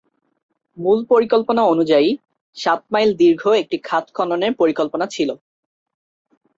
মূল পরিকল্পনা অনুযায়ী সাত মাইল দীর্ঘ একটি খাত খননের পরিকল্পনা ছিল।